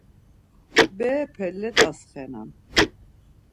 Berepe let̆as xenan.